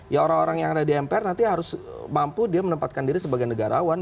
ya orang orang yang ada di mpr nanti harus mampu dia menempatkan diri sebagai negarawan